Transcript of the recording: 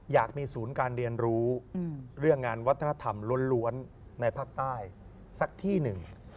อยากมีศูนย์การเรียนรู้เรื่องงานวัฒนธรรมล้วนในภาคใต้สักที่หนึ่ง